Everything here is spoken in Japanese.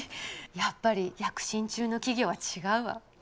やっぱり躍進中の企業は違うわ。